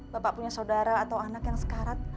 bapak punya saudara atau anak yang sekarat